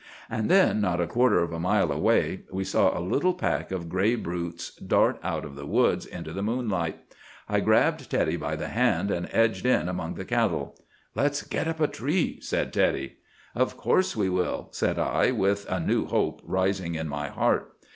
And then, not a quarter of a mile away, we saw a little pack of gray brutes dart out of the woods into the moonlight. I grabbed Teddy by the hand, and edged in among the cattle. "'Let's get up a tree!' said Teddy. "'Of course we will,' said I, with a new hope rising in my heart.